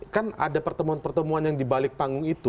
kan ada pertemuan pertemuan yang di balik panggung itu